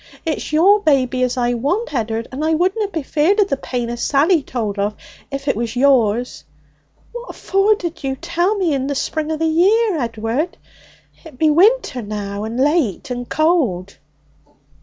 It's your baby as I want, Ed'ard, and I wouldna be feared o' the pain as Sally told of if it was yours. What for didna you tell me in the spring o' the year, Ed'ard? It be winter now, and late and cold.'